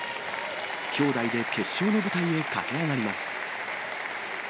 兄妹で決勝の舞台へ駆け上がります。